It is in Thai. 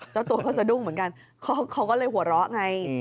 เจ้าตัวเขาสะดุ้งเหมือนกันเขาก็เลยหัวเราะไง